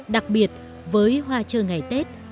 đặc biệt với hoa chơi ngày tết